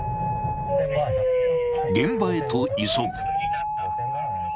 現場へと急ぐ。